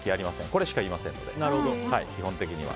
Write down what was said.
これしか言いませんので基本的には。